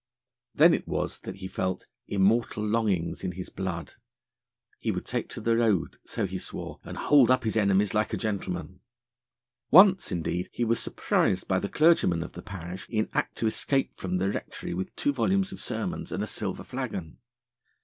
Then it was that he felt 'immortal longings in his blood.' He would take to the road, so he swore, and hold up his enemies like a gentleman. Once, indeed, he was surprised by the clergyman of the parish in act to escape from the rectory with two volumes of sermons and a silver flagon.